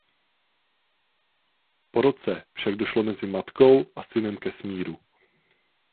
Po roce však došlo mezi matkou a synem ke smíru.